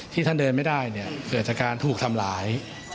ที่ท่านเดินไม่ได้เกิดจากการถูกทำร้าย